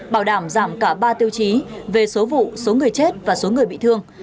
bảo đảm giảm cả ba tiêu chí về số vụ số người chết và số người bị thương